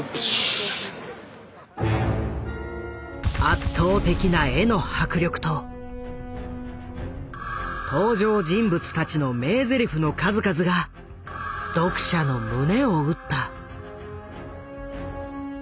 圧倒的な絵の迫力と登場人物たちの名ゼリフの数々が読者の胸を打った。